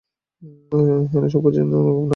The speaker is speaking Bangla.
হেলো সবকিছুর জন্য আপনাকে ধন্যবাদ।